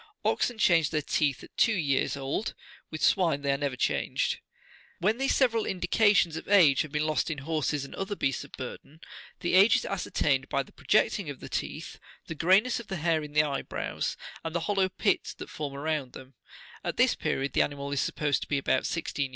44 Oxen change their teeth at two years old: with swine they are never changed.46 "When these several indications of age have been lost in horses and other beasts of burden, the age is ascertained by the projecting of the teeth, the greyness of the hair in the eyebrows, and the hollow pits that form around them ; at this period the animal is supposed to be about sixteen46 years old.